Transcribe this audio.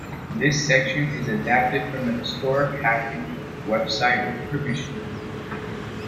This section is adapted from The Historic Happing Website with permission.